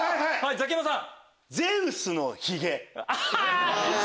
ザキヤマさん。